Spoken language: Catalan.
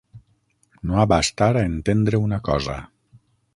No abastar a entendre una cosa.